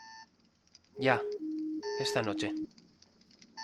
ya. esta noche .